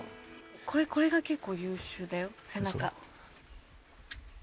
これが結構優秀だよ背中。